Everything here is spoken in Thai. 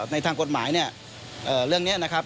ในทางกฎหมายเนี่ยเรื่องนี้นะครับ